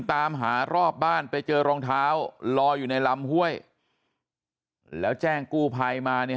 ตามหารอบบ้านไปเจอรองเท้าลอยอยู่ในลำห้วยแล้วแจ้งกู้ภัยมาเนี่ย